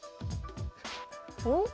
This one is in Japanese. お？